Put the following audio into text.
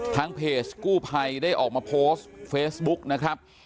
ทางเพจกู้ภัยได้ออกมาโพสต์เฟซบุ๊กนะครับ